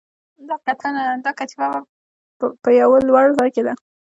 دا کتیبه په یوه لوړ ځای کې ده